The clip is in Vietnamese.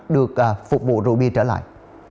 được phục vụ rượu bia trở lại